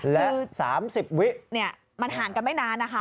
และ๓๐วินาทีมันห่างกันไม่นาน